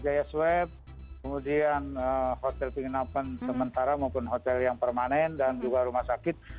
biaya swab kemudian hotel penginapan sementara maupun hotel yang permanen dan juga rumah sakit